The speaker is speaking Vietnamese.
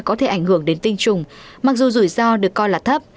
có thể ảnh hưởng đến tinh trùng mặc dù rủi ro được coi là thấp